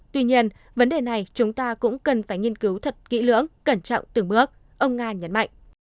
tuy nhiên vấn đề này chúng ta cũng cần phải nghiên cứu thật kỹ lưỡng cẩn trọng từng bước ông nga nhấn mạnh